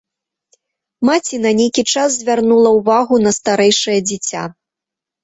Маці на нейкі час звярнула ўвагу на старэйшае дзіця.